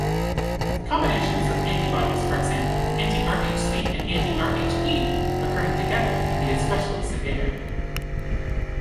Combinations of antibodies, for example, anti-Rhc and anti-RhE occurring together can be especially severe.